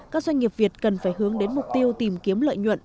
các doanh nghiệp việt cần phải hướng đến mục tiêu tìm kiếm lợi nhuận